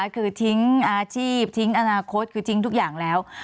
คือทิ้งอาชีพทิ้งอนาคตคือทิ้งทุกอย่างแล้ว